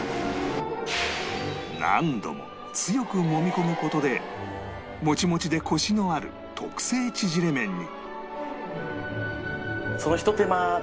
何度も強くもみ込む事でもちもちでコシのある特製縮れ麺に